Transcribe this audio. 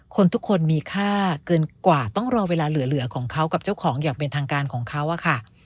คนทุกคนมีค่าเกินกว่าต้องรอเวลาเหลือของเขากับเจ้าของอย่างเป็นทางการของเขาอะค่ะ